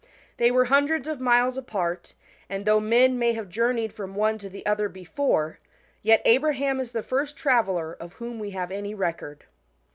They were hundreds of miles apart, and though men may have journeyed from cjne tp the other before, yet' Abraham is the first traveller 4 of whom we have any record.